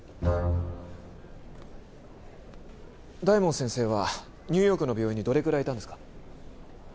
大門先生はニューヨークの病院にどれぐらいいたんですか？